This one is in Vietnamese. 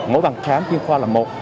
mỗi bàn khám chương khoa là một